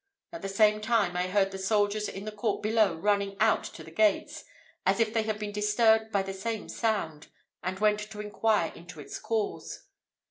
At the same time, I heard the soldiers in the court below running out to the gates, as if they had been disturbed by the same sound, and went to inquire into its cause.